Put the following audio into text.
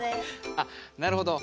あなるほど。